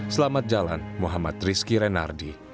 selamat jalan muhammad rizky renardi